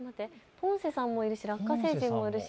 ポンセさんもいるしラッカ星人もいるし